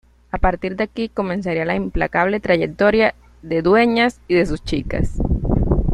A partir de aquí comenzaría la implacable trayectoria de Dueñas y de sus chicas.